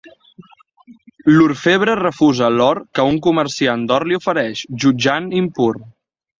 L'orfebre refusa l'or que un Comerciant d'or li ofereix, jutjant impur.